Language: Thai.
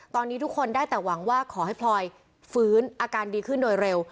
ตอนนี้ทุกคนได้แต่หวังว่าขอให้พลอยฟื้นอาการดีขึ้นโดยเร็ว